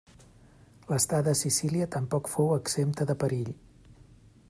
L’estada a Sicília tampoc fou exempta de perill.